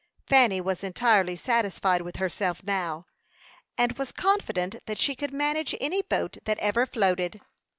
Fanny was entirely satisfied with herself now, and was confident that she could manage any boat that ever floated.